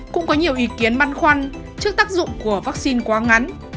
cũng có nhiều ý kiến băn khoăn trước tác dụng của vắc xin quá ngắn